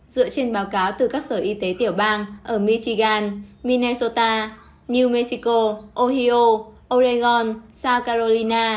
dựa trên báo cáo từ các sở y tế tiểu bang ở michigan minnesota new mexico ohio oregon south carolina